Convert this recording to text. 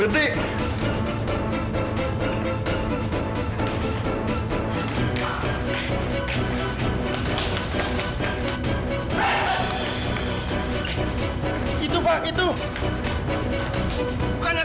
ayolah tapa tapa dong veya target pantai